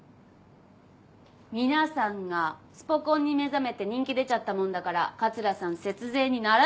皆さんがスポ根に目覚めて人気出ちゃったもんだから桂さん節税にならなくなっちゃった。